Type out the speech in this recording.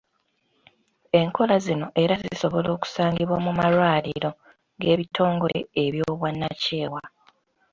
Enkola zino era zisobola okusangibwa mu malwaliro g’ebitongole eby'obwannakyewa.